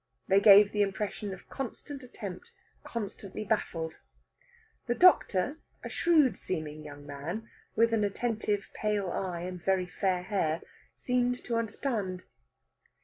They gave the impression of constant attempt constantly baffled. The doctor, a shrewd seeming young man with an attentive pale eye, and very fair hair, seemed to understand.